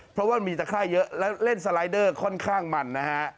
เพราะว่ามีตะไคร้เยอะและเล่นสไลเดอร์ค่อนข้างมันนะฮะ